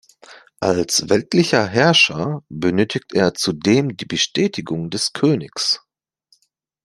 Als weltlicher Herrscher benötigte er zudem die Bestätigung des Königs.